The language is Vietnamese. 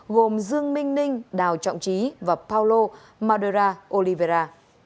gồm dương minh ninh đào trọng trí và paulo madura oliveira